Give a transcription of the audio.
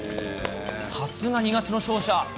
さすが二月の勝者。